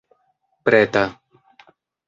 preta